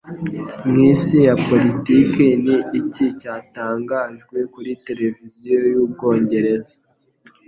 Mw'isi ya Politiki, ni iki cyatangajwe kuri televiziyo y'Ubwongereza